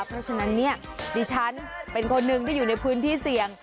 เพราะฉะนั้นเนี่ยดิฉันเป็นคนหนึ่งที่อยู่ในพื้นที่เสี่ยง